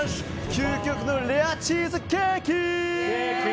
究極のレアチーズケーキ！